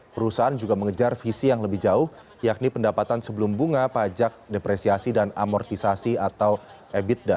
perusahaan juga mengejar visi yang lebih jauh yakni pendapatan sebelum bunga pajak depresiasi dan amortisasi atau ebitda